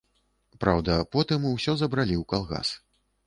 Праўда, потым усё забралі ў калгас.